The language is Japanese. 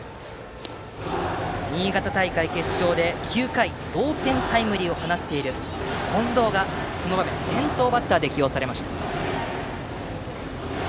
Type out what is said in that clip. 新潟大会決勝で９回に同点タイムリーを放った近藤がこの場面、先頭バッターで起用されました。